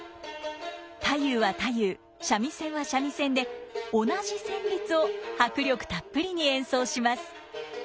太夫は太夫三味線は三味線で同じ旋律を迫力たっぷりに演奏します。